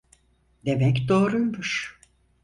Demek doğruymuş.